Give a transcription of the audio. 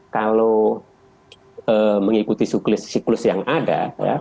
kalau mengikuti siklus yang ada